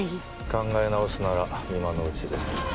考え直すなら今のうちです。